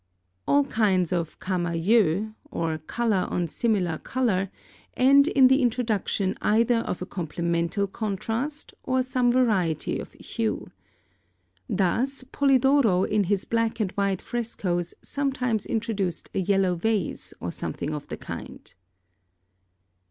All kinds of camayeu, or colour on similar colour, end in the introduction either of a complemental contrast, or some variety of hue. Thus, Polidoro in his black and white frescoes sometimes introduced a yellow vase, or something of the kind.